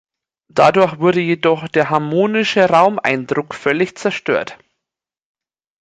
Dadurch wurde jedoch der harmonische Raumeindruck völlig zerstört.